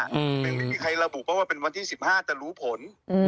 ยังไม่มีใครระบุเพราะว่าเป็นวันที่๑๕จะรู้ผล